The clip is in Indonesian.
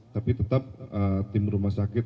tapi tetap tim rumah sakit